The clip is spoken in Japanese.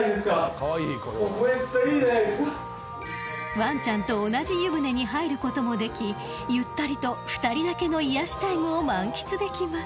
［ワンちゃんと同じ湯船に入ることもできゆったりと２人だけの癒やしタイムを満喫できます］